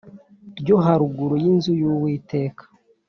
ryo haruguru y inzu y uwiteka